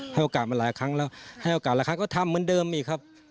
ให้โอกาสมาหลายครั้งแล้วให้โอกาสหลายครั้งก็ทำเหมือนเดิมอีกครับ